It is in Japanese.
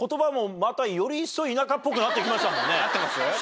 なってます？